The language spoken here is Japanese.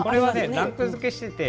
ランク付けしています。